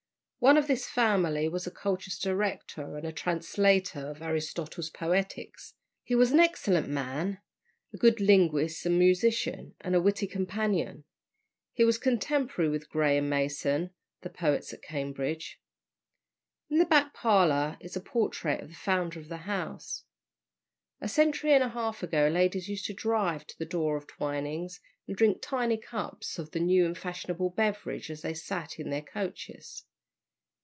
One of this family was a Colchester rector, and a translator of Aristotle's Poetics. He was an excellent man, a good linguist and musician, and a witty companion. He was contemporary with Gray and Mason, the poets, at Cambridge. In the back parlour is a portrait of the founder of the house. A century and a half ago ladies used to drive to the door of Twining's and drink tiny cups of the new and fashionable beverage as they sat in their coaches.